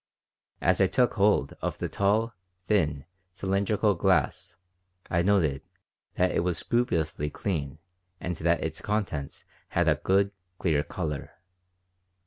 As I took hold of the tall, thin, cylindrical glass I noted that it was scrupulously clean and that its contents had a good clear color.